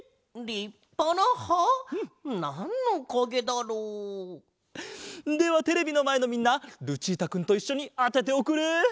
なんのかげだろう？ではテレビのまえのみんなルチータくんといっしょにあてておくれ！